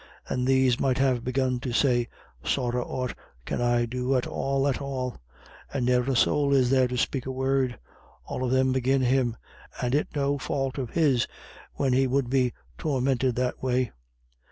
And these might have begun so say, "Sorra aught can I do at all, at all. And ne'er a soul is there to spake a word all of thim agin him, and it no fau't of his, when he would be torminted that way.